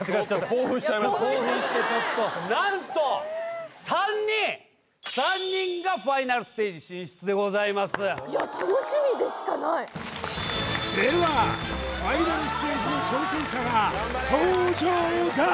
興奮してちょっと何と３人３人がファイナルステージ進出でございますいや楽しみでしかないではファイナルステージの挑戦者が登場だ